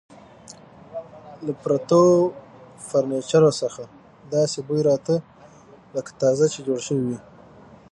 له پرتو فرنیچرو څخه داسې بوی راته، لکه تازه چې جوړ شوي وي.